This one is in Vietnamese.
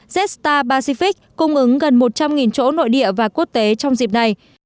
jetstar pacific cung ứng gần một trăm linh chỗ nội địa và quốc tế trong dịp này